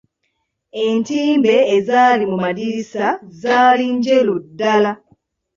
Entimbe ezaali mu madirisa zaali njeru ddala.